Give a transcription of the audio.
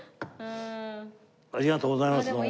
ありがとうございますどうも。